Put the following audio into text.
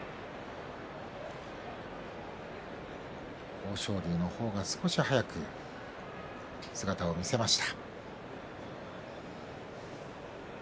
豊昇龍の方が少し早く姿を見せました。